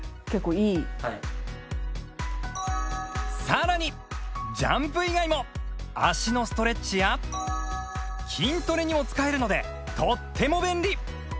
さらにジャンプ以外も足のストレッチや筋トレにも使えるのでとっても便利！